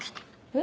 え？